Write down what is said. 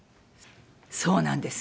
そうなんです。